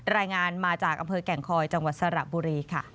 รายงานมาจากอำเภอแก่งคอยจังหวัดสระบุรีค่ะ